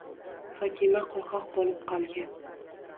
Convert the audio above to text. Fotima qoʻrqoq boʻlib qolgan.